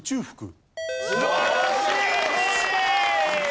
素晴らしい！